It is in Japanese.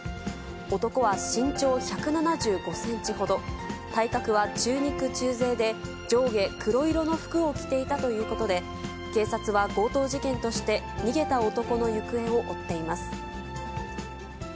男は身長１７５センチほど、体格は中肉中背で上下黒色の服を着ていたということで、警察は強盗事件として逃げた男の行方を追っています。